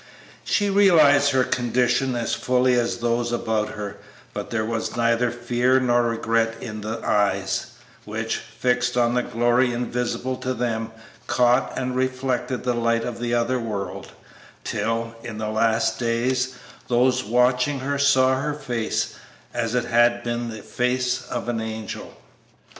She realized her condition as fully as those about her, but there was neither fear nor regret in the eyes, which, fixed on the glory invisible to them, caught and reflected the light of the other world, till, in the last days, those watching her saw her face "as it had been the face of an angel."